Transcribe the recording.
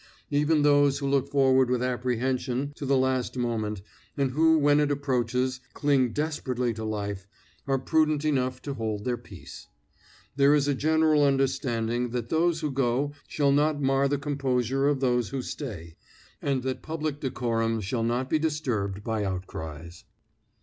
Even those who look forward with apprehension to the last moment, and who when it approaches, cling desperately to life, are prudent enough to hold their peace. There is a general understanding that those who go shall not mar the composure of those who stay, and that public decorum shall not be disturbed by outcries.